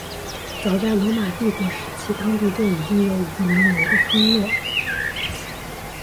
早在罗马帝国时期当地就已经有一个名为的村落。